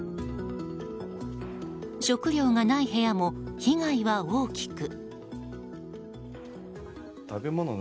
食料がない部屋も被害は大きく。